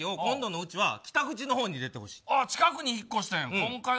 最寄駅を近くに引っ越したんや。